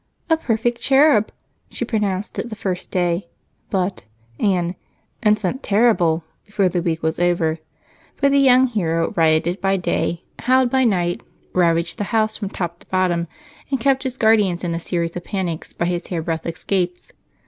"A perfect cherub" she pronounced it the first day, but an "enfant terrible" before the week was over, for the young hero rioted by day, howled by night, ravaged the house from top to bottom, and kept his guardians in a series of panics by his hairbreadth escapes.